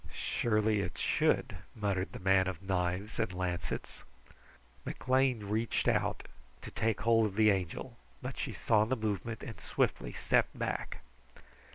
"Surely it should!" muttered the man of knives and lancets. McLean reached to take hold of the Angel, but she saw the movement and swiftly stepped back.